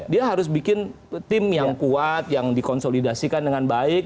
dia harus bikin tim yang kuat yang dikonsolidasikan dengan baik